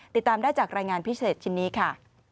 ติดตามได้จากรายงานพิเศษชิ้นนี้ค่ะ